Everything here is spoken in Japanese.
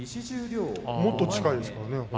もっと近いですからね。